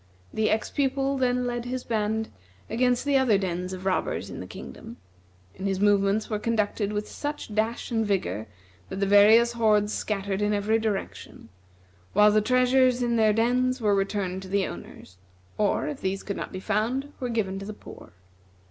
The ex pupil then led his band against the other dens of robbers in the kingdom, and his movements were conducted with such dash and vigor that the various hordes scattered in every direction, while the treasures in their dens were returned to the owners, or, if these could not be found, were given to the poor.